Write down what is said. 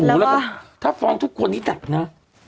โอ้โฮแล้วถ้าฟ้องทุกคนที่แตกนะ